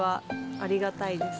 ありがたいです